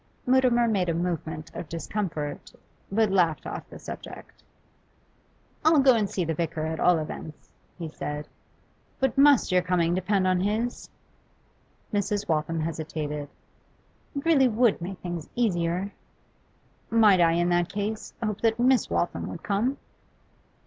Mutimer made a movement of discomfort, but laughed off the subject. 'I'll go and see the vicar, at all events,' he said. 'But must your coming depend on his?' Mrs. Waltham hesitated. 'It really would make things easier.' 'Might I, in that case, hope that Miss Waltham would come?